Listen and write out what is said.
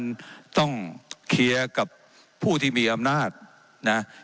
เจ้าหน้าที่ของรัฐมันก็เป็นผู้ใต้มิชชาท่านนมตรี